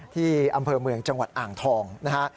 ที่อำเภอเมืองจังหวัดอ่างทองนะฮะ